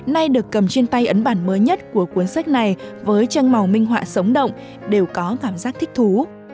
nay được cầm trên tay ấn bản mới nhất của cuốn sách này với tranh màu minh họa sống động đều có cảm giác thích thú